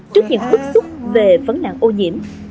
trước những bức xúc về vấn nạn ô nhiễm